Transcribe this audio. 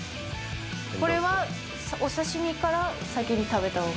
これはお刺身から先に食べたほうが？